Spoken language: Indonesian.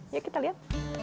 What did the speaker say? yuk kita lihat